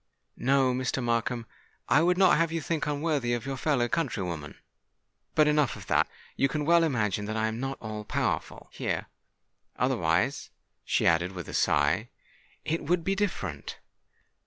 No, Mr. Markham—I would not have you think unworthily of your fellow countrywoman. But, enough of that! You can well imagine that I am not all powerful here:—otherwise," she added, with a sigh, "it would be different!